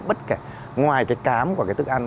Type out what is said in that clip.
bất kể ngoài cái cám của cái thức ăn